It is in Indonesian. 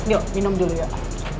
yuk minum dulu ya pak